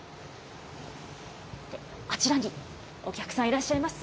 あちらにお客さん、いらっしゃいます。